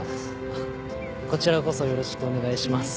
あっこちらこそよろしくお願いします。